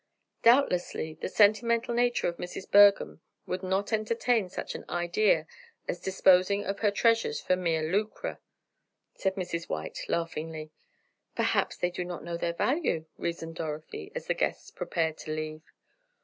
"Doubtlessly, the sentimental nature of Mrs. Bergham would not entertain such an idea as disposing of her treasures for mere lucre," said Mrs. White, laughingly. "Perhaps they do not know their value," reasoned Dorothy, as the guests prepared to leave.